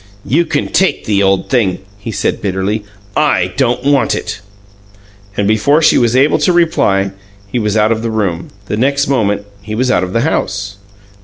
"You can take the old thing," he said bitterly. "I don't want it!" And before she was able to reply, he was out of the room. The next moment he was out of the house.